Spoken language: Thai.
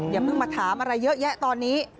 อย่าเพิ่งมาถามอะไรเยอะแยะตอนนี้